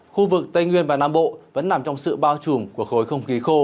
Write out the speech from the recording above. khu vực tây nguyên và nam bộ vẫn nằm trong sự bao trùm của khối không khí khô